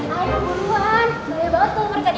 ayo buruan banyak banget tuh mereka di biar ya